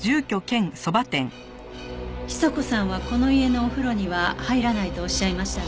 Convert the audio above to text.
久子さんはこの家のお風呂には入らないとおっしゃいましたが。